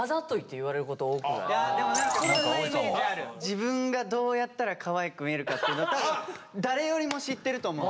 自分がどうやったらかわいく見えるかっていうの多分誰よりも知ってると思うんです。